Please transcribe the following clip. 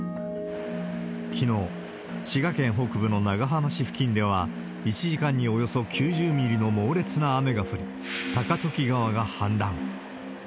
きのう、滋賀県北部の長浜市付近では、１時間におよそ９０ミリの猛烈な雨が降り、高時川が氾濫。